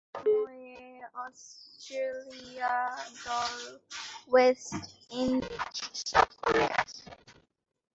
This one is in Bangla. এ সময়ে অস্ট্রেলিয়া দল ওয়েস্ট ইন্ডিজ সফরে আসে।